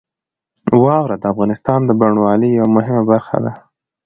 واوره د افغانستان د بڼوالۍ یوه مهمه برخه ده.